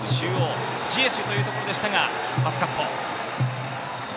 ジエシュというところでしたが、パスカット。